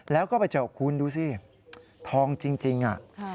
แล้วก็ไปเจอกูลดูสิทองจริงอ่ะ